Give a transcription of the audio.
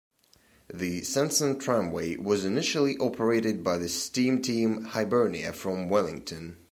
The Sanson Tramway was initially operated by the steam tram "Hibernia" from Wellington.